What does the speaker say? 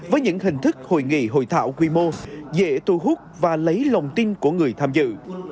với những hình thức hội nghị hội thảo quy mô dễ thu hút và lấy lòng tin của người tham dự